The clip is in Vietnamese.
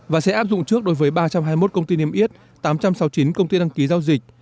và sẽ áp dụng trước đối với ba trăm hai mươi một công ty niêm yết tám trăm sáu mươi chín công ty đăng ký giao dịch